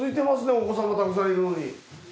お子さんがたくさんいるのに。